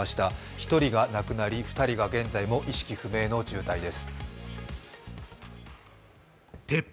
１人が亡くなり２人が現在も意識不明の重体です。